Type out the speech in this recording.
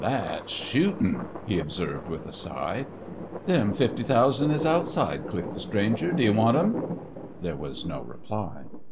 "That's shootin'!" he observed, with a sigh. "Them fifty thousand is outside," clicked the stranger. "Do you want them?" There was no reply.